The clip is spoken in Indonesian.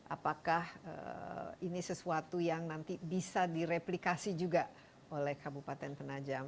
apakah ini sesuatu yang nanti bisa direplikasi juga oleh kabupaten penajam